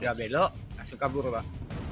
ya belok langsung kabur pak